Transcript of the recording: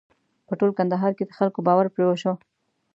په ټول کندهار کې د خلکو باور پرې وشو.